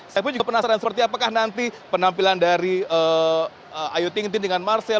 saya pun juga penasaran seperti apakah nanti penampilan dari ayu ting tin dengan marcel